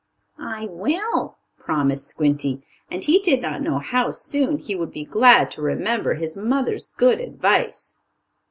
"I will," promised Squinty. And he did not know how soon he would be glad to remember his mother's good advice.